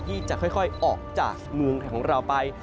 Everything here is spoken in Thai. ที่จะค่อยออกจากเมืองไทยของเราไป